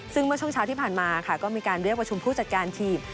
ซึ่งเมื่อช่วงเช้าที่ผ่านมาค่ะก็มีการเรียกประชุมผู้จัดการทีม